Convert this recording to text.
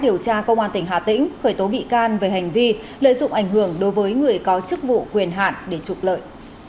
điều tra công an tỉnh hà tĩnh khởi tố bị can về hành vi lợi dụng ảnh hưởng đối với người có chức vụ quyền hạn để trục lợi